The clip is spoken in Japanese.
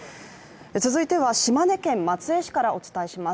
続いては島根県松江市からお伝えします。